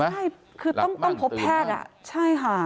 ใช่คือต้องพบแพทย์ใช่ค่ะ